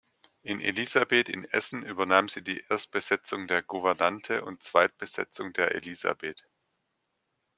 In "Elisabeth" in Essen übernahm sie die Erstbesetzung der Gouvernante und Zweitbesetzung der Elisabeth.